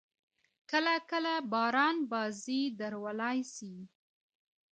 کله – کله باران بازي درولای سي.